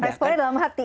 respo nya dalam hati